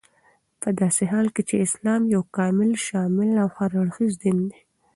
پداسي حال كې چې اسلام يو كامل، شامل او هر اړخيز دين دى